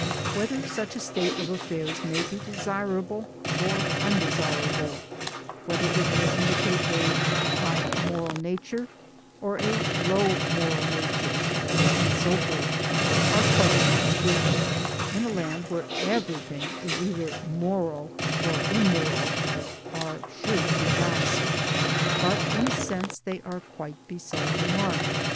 Whether such a state of affairs may be desirable or undesirable, whether it may indicate a high moral nature or a low moral nature, and so forth!, are questions which (in a land where everything is either moral or immoral) are sure to be asked. But in a sense they are quite beside the mark.